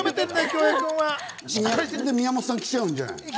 それで宮本さん来ちゃうんじゃないの？